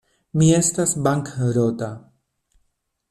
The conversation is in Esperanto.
Mi estas bankrota.